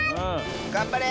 がんばれ！